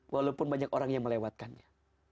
walaupun banyak orang yang melewatkannya